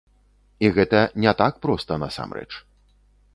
І гэта не так проста насамрэч.